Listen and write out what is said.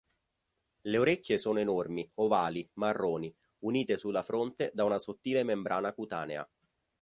Le orecchie sono enormi, ovali, marroni, unite sulla fronte da una sottile membrana cutanea.